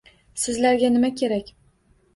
Sizlarga nima kerak